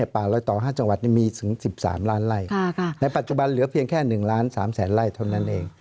ป่าลอยต่อ๕จังหวัดมีถึง๑๓ล้านไล่ในปัจจุบันเหลือเพียงแค่๑ล้าน๓แสนไล่เท่านั้นเอง